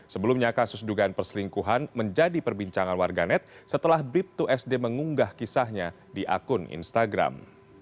sebelumnya kasus dugaan perselingkuhan menjadi perbincangan warganet setelah brip dua sd mengunggah kisahnya di akun instagram